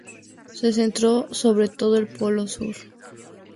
Se centró sobre todo en el Polo Sur.